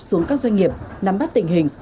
xuống các doanh nghiệp nắm bắt tình hình